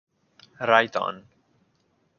Right On